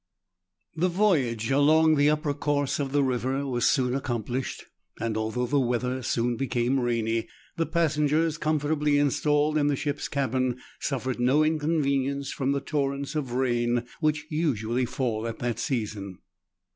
The voyage along the upper course of the river was soon accomplished, and although the weather soon became rainy, the passengers, comfortably installed in the ship's cabin, suffered no inconvenience from the torrents of rain which usually fall at that season.